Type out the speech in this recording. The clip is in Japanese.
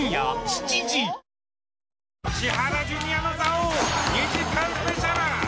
「千原ジュニアの座王」２時間スペシャル。